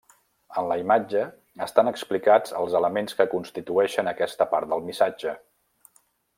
En la imatge, estan explicats els elements que constitueixen aquesta part del missatge.